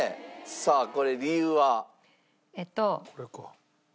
さあこれ理由は？えっと。